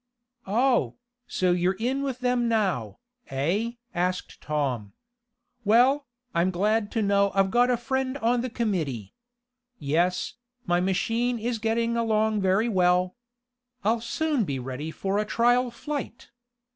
"Oh, so you're in with them now, eh?" asked Tom. "Well, I'm glad to know I've got a friend on the committee. Yes, my machine is getting along very well. I'll soon be ready for a trial flight.